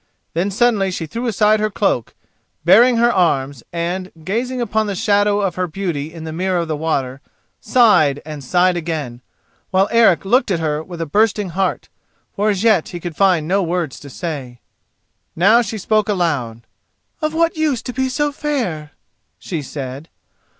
Then suddenly she threw aside her cloak, baring her arms, and, gazing upon the shadow of her beauty in the mirror of the water, sighed and sighed again, while Eric looked at her with a bursting heart, for as yet he could find no words to say. Now she spoke aloud. "Of what use to be so fair?" she said.